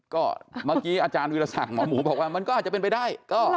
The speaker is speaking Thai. ก็เมื่อกี้อาจารย์วิรสักหมอหมูบอกว่ามันก็อาจจะเป็นไปได้